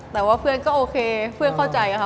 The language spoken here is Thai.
แต่ว่าเพื่อนก็โอเคเพื่อนเข้าใจค่ะ